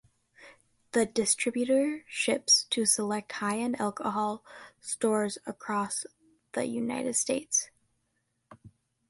The distributor ships to select high end alcohol stores across the United States.